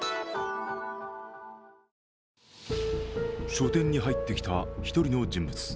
書店に入ってきた１人の人物。